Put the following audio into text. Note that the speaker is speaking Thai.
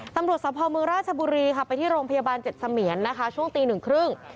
ตำรวจสภเมืองราชบุรีค่ะไปที่โรงพยาบาลเจ็ดเสมียนนะคะช่วงตีหนึ่งครึ่ง